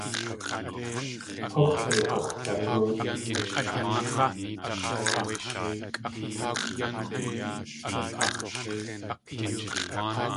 K̲úx̲de gux̲dagóot.